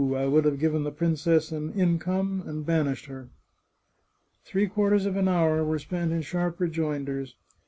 I would have given the princess an income, and banished her." Three quarters of an hour were spent in sharp rejoinders.